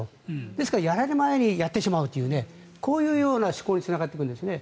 だから、やられる前にやってしまおうというこういう思考につながっていくんですね。